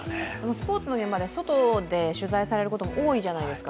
スポーツの現場で外で取材されることも多いじゃないですか。